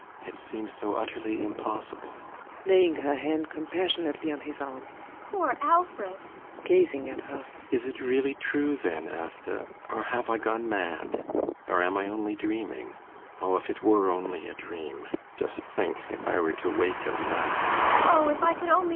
It seems so utterly impossible. ASTA. [Laying her hand compassionately on his arm.] Poor Alfred! ALLMERS. [Gazing at her.] Is it really true then, Asta? Or have I gone mad? Or am I only dreaming? Oh, if it were only a dream! Just think, if I were to waken now!